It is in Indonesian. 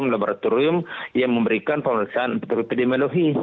laboratorium yang memberikan pemeriksaan epidemiologi